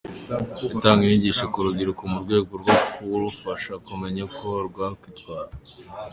Itanga inyigisho ku rubyiruko mu rwego rwo kurufasha kumenya uko rwakwitwara.